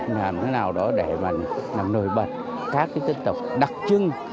làm cái nào đó để mà nổi bật các dân tộc đặc trưng